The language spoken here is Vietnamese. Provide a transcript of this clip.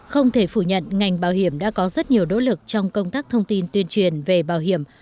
không thể phủ nhận ngành bảo hiểm đã có rất nhiều nỗ lực trong công tác thông tin tuyên truyền về bảo hiểm